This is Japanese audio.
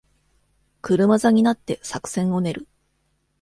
車座になって作戦を練る